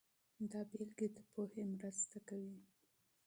دا مثالونه د پوهې مرسته کوي.